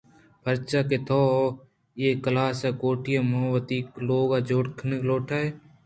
پرچا کہ تو اے کلاس ءِ کوٹی ءَ وتی لوگ جوڑ کنگ لوٹئے